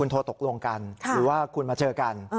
โทรตกลงกันหรือว่าคุณมาเจอกัน